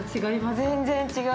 ◆全然違う。